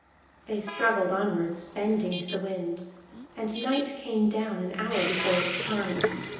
They struggled onwards, bending to the wind; and night came down an hour before its time.